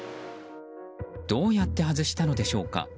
どうやって外したのでしょうか。